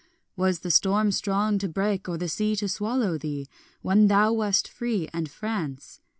Was the storm strong to break or the sea to swallow thee, When thou wast free and France?